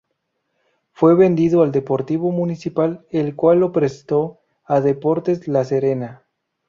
Fue vendido al Deportivo Municipal el cual lo prestó a Deportes la Serena.